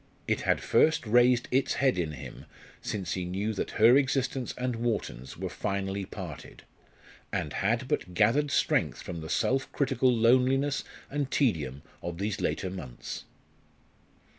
It had first raised its head in him since he knew that her existence and Wharton's were finally parted, and had but gathered strength from the self critical loneliness and tedium of these later months.